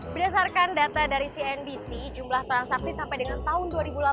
berdasarkan data dari cnbc jumlah transaksi sampai dengan tahun dua ribu delapan belas